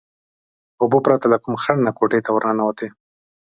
اوبه پرته له کوم خنډ نه کوټې ته ورننوتې.